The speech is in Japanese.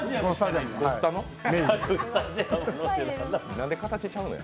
何で形ちゃうのよ。